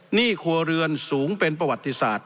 หนี้ครัวเรือนสูงเป็นประวัติศาสตร์